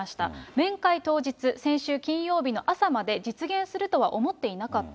面会当日、先週金曜日の朝まで、実現するとは思っていなかった。